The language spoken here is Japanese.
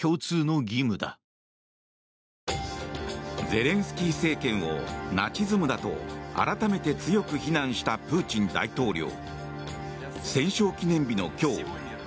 ゼレンスキー政権をナチズムだと改めて強く非難したプーチン大統領。